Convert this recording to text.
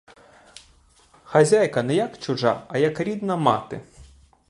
Хазяйка не як чужа, а як рідна мати!